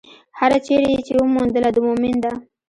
هره چېرې يې چې وموندله، د مؤمن ده.